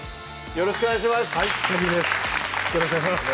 よろしくお願いします